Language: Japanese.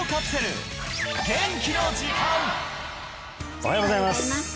おはようございます